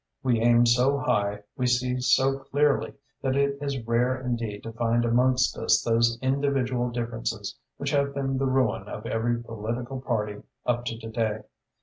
We aim so high, we see so clearly, that it is rare indeed to find amongst us those individual differences which have been the ruin of every political party up to to day.